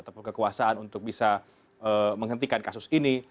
ataupun kekuasaan untuk bisa menghentikan kasus ini